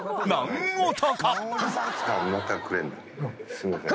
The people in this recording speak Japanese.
すいません。